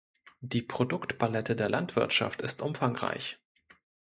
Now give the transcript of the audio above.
Die Produktpalette der Landwirtschaft ist umfangreich.